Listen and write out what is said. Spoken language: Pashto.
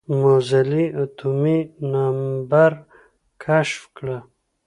موزلي اتومي نمبر کشف کړه.